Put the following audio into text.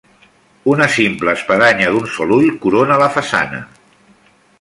Una simple espadanya d'un sol ull corona la façana.